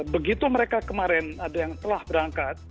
begitu mereka kemarin ada yang telah berangkat